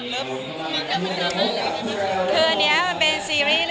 เราเรื่องมันเป็นอย่างไรไม่รู้